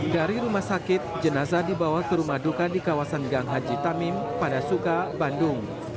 dari rumah sakit jenazah dibawa ke rumah duka di kawasan gang haji tamim pada suka bandung